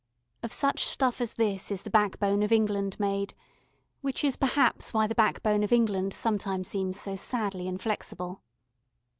Of such stuff as this is the backbone of England made, which is perhaps why the backbone of England sometimes seems so sadly inflexible.